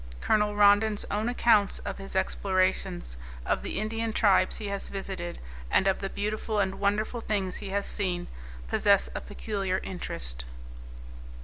Colonel Rondon's own accounts of his explorations, of the Indian tribes he has visited, and of the beautiful and wonderful things he has seen, possess a peculiar interest.